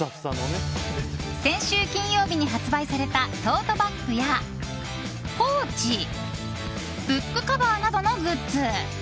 先週金曜日に発売されたトートバッグやポーチブックカバーなどのグッズ。